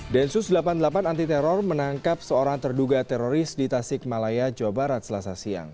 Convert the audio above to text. densus delapan puluh delapan anti teror menangkap seorang terduga teroris di tasik malaya jawa barat selasa siang